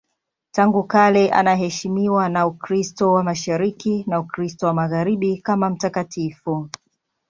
Tangu kale anaheshimiwa na Ukristo wa Mashariki na Ukristo wa Magharibi kama mtakatifu.